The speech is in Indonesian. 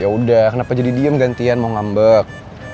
yaudah kenapa jadi diem gantian mau ngambek